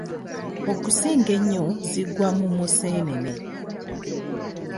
Okusinga ennyo zigwa mu Museenene.